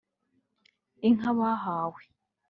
Inka bahawe